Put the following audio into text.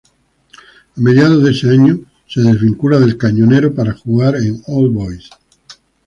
A mediados de ese año, se desvincula del "Cañonero" para jugar en All Boys.